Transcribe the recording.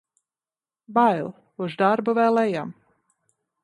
Bail. Uz darbu vēl ejam.